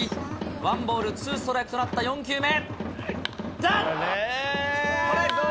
ワンボール、ツーストライクとなった４球目。